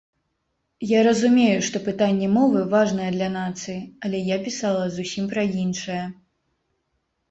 Я разумею, што пытанне мовы важнае для нацыі, але я пісала зусім пра іншае.